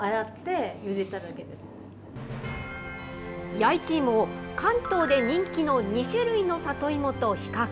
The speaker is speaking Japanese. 弥一芋を関東で人気の２種類の里芋と比較。